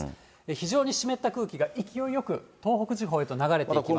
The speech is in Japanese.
非常に湿った空気が勢いよく東北地方へと流れていきます。